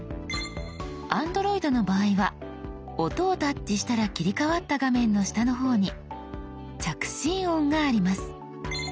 Ａｎｄｒｏｉｄの場合は「音」をタッチしたら切り替わった画面の下の方に「着信音」があります。